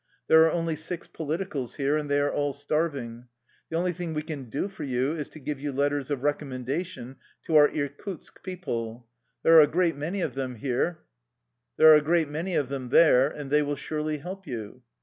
There are only six politicals here, and they are all starving. The only thing we can do for you is to give you letters of recom mendation to our Irkutsk people. There are a great many of them there, and they will surely help you."